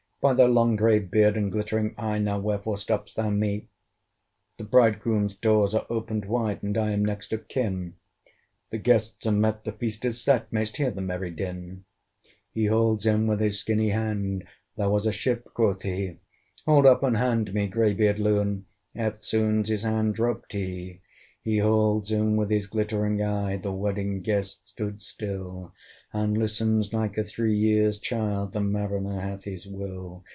"By thy long grey beard and glittering eye, Now wherefore stopp'st thou me? "The Bridegroom's doors are opened wide, And I am next of kin; The guests are met, the feast is set: May'st hear the merry din." He holds him with his skinny hand, "There was a ship," quoth he. "Hold off! unhand me, grey beard loon!" Eftsoons his hand dropt he. He holds him with his glittering eye The Wedding Guest stood still, And listens like a three years child: The Mariner hath his will.